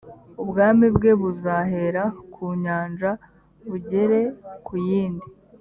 ubwami bwe buzahera ku nyanja bugere ku yindi